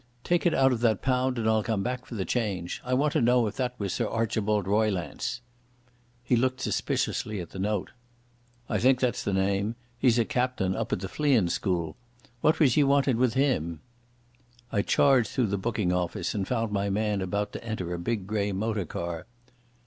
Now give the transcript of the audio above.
Take it out of that pound and I'll come back for the change. I want to know if that was Sir Archibald Roylance." He looked suspiciously at the note. "I think that's the name. He's a captain up at the Fleein' School. What was ye wantin' with him?" I charged through the booking office and found my man about to enter a big grey motor car.